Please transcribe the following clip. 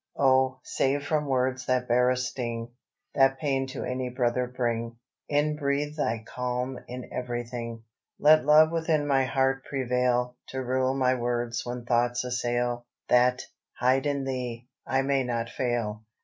"Oh, save from words that bear a sting, That pain to any brother bring: Inbreathe Thy calm in everything. "Let love within my heart prevail, To rule my words when thoughts assail, That, hid in Thee, I may not fail.